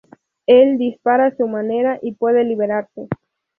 Él dispara a su manera y puede liberarse.